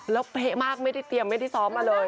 แล้วเป๊ะมากไม่ได้เตรียมไม่ได้ซ้อมมาเลย